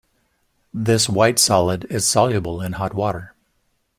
This white solid is soluble in hot water.